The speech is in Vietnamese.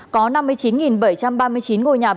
có năm mươi chín bảy trăm ba mươi chín ngôi nhà bị